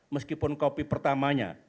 meskipun kopi pertamanya